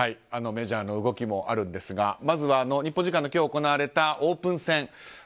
メジャーの動きもあるんですがまずは日本時間の今日行われたオープン戦。